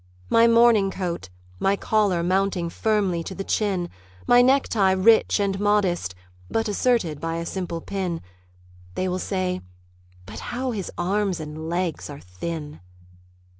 My morning coat, my collar mounting firmly to the chin, My necktie rich and modest, but asserted by a simple pin (They will say: "But how his arms and legs are thin!")